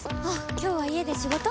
今日は家で仕事？